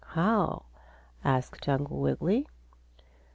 "How?" asked Uncle Wiggily.